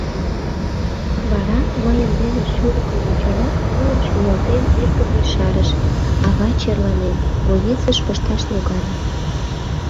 Вара мыйын велыш шӱлыкын ончалят, нелын шӱлалтен, эркын ешарыш: — Авай черланен... больницыш пышташ логале...